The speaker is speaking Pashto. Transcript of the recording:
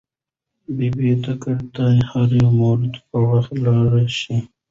ببۍ کره دې هرو مرو په وخت لاړه شه.